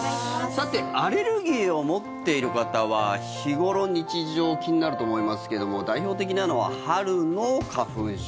さてアレルギーを持っている方は日頃、日常気になると思いますけども代表的なのは春の花粉症。